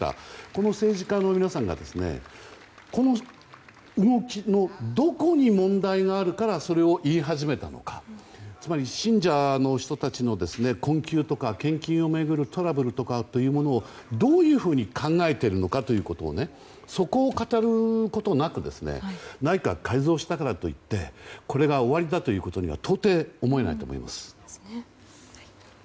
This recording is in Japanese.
この政治家の皆さんがこの動きのどこに問題があるからそれを言い始めたのかつまり、信者の人たちの困窮とか献金を巡るトラブルとかというものをどういうふうに考えているのかというのをそこを語ることなく内閣改造したからといってこれが終わりだということには到底思えないと思います。